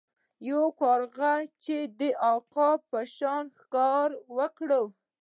یو کارغه غوښتل چې د عقاب په شان ښکار وکړي.